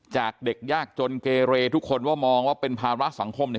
จากเด็กยากจนเกเรทุกคนว่ามองว่าเป็นภาระสังคม